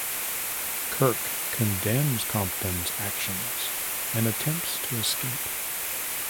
Kirk condemns Compton's actions, and attempts to escape.